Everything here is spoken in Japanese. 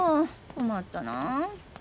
困ったなぁ。